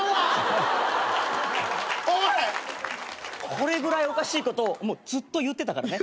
これぐらいおかしいことをずっと言ってたからね。